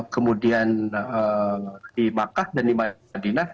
kemudian di makkah dan di madinah